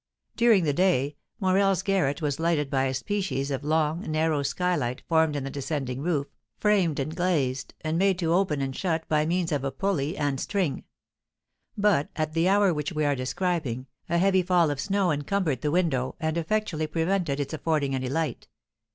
During the day, Morel's garret was lighted by a species of long, narrow skylight formed in the descending roof, framed and glazed, and made to open and shut by means of a pulley and string; but, at the hour which we are describing, a heavy fall of snow encumbered the window, and effectually prevented its affording any light.